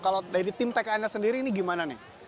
kalau dari tim tkn nya sendiri ini gimana nih